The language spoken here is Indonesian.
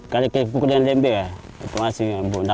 kalau kita bukulin lembek ya itu masih nama buat pecah